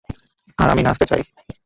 আর আমি নাচতে চাই।